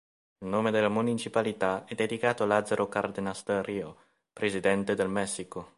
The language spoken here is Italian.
Il nome della municipalità è dedicato a Lázaro Cárdenas del Río, presidente del Messico.